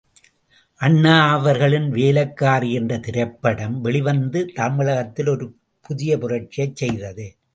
அண்ணா அவர்களின் வேலைக்காரி என்ற திரைப்படம் வெளிவந்து தமிழகத்தில் ஒரு புதிய புரட்சியைச் செய்தது.